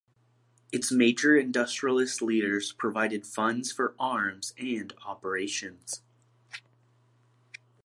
Its major industrialist leaders provided funds for arms and operations.